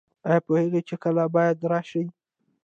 ایا پوهیږئ چې کله باید راشئ؟